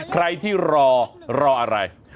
ใครที่รอรออะไร